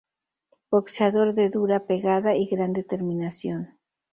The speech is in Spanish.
Boxeador de dura pegada y gran determinación.